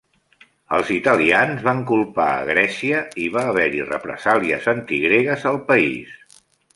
Els italians van culpar a Grècia i va haver-hi represàlies antigregues al país.